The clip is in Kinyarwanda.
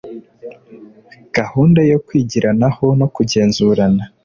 gahunda yo kwigiranaho no kugenzurana